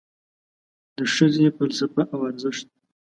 د ښځې فلسفه او ارزښت